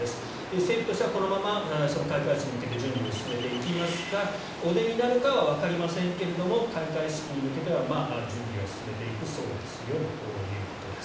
政府としてはこのまま開会式に向けて準備をしていきますがお出になるかはわかりませんが開会式に向けては準備は進めていくそうですよということです。